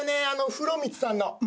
あの風呂光さんの。